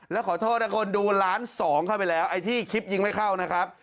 แล้วขอโทษนะคนดูล้านสองเข้าไปแล้วไอ้ที่คลิปยิงไม่เข้านะครับ